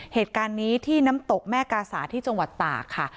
เหตุการณ์นี้ที่น้ำตกแม่กาสาที่จังหวัดตากค่ะ